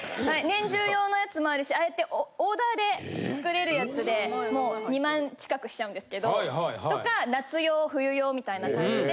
年中用のやつもあるしああやってオーダーで作れるやつでもう２万近くしちゃうんですけどとか夏用冬用みたいな感じで。